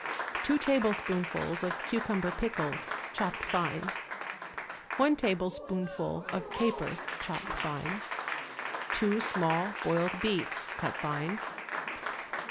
2 tablespoonfuls of cucumber pickles, chopped fine. 1 tablespoonful of capers, chopped fine. 2 small boiled beets, cut fine.